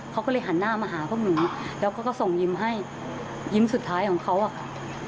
เขาก็เลยหันหน้ามาหาพวกหนูแล้วเขาก็ส่งยิ้มให้ยิ้มสุดท้ายของเขาอะค่ะ